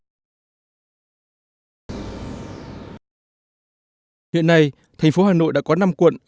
huyện này thành phố hà nội đã có năm quận